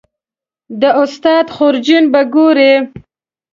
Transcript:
د استاد خورجین به ګورې